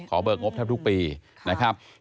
เบิกงบแทบทุกปีนะครับ